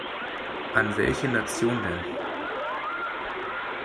An welche Nation denn?